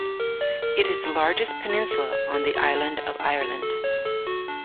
It is the largest peninsula on the island of Ireland.